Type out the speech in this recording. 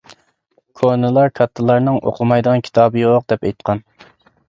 كونىلار «كاتتىلارنىڭ ئوقۇمايدىغان كىتابى يوق» دەپ ئېيتقان.